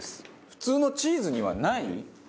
普通のチーズにはない？